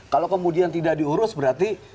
kalau kemudian tidak diurus berarti